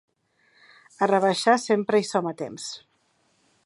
A rebaixar sempre hi som a temps.